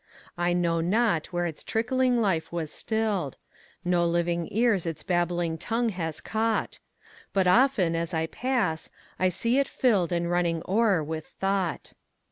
I know not where its trickling life was still'd; No living ears its babbling tongue has caught; But often, as I pass, I see it fill'dAnd running o'er with thought.